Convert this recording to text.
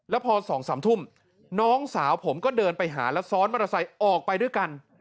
แล้วพอ๒๓ทุ่มน้องสาวผมก็เดินไปหาแล้วซ้อนมอเตอร์ไซค์ออกไปด้วยกัน